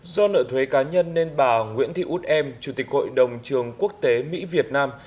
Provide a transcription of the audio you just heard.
do nợ thuế cá nhân nên bà nguyễn thị út em chủ tịch hội đồng trường quốc tế mỹ việt nam